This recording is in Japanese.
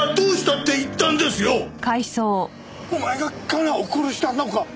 お前が香奈を殺したのか？